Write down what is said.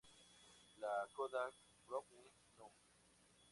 La Kodak Brownie Núm.